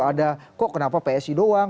ada kok kenapa psi doang